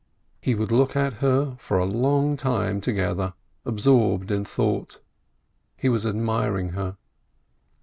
He would look at her for a long time together, absorbed in thought. He was admiring her.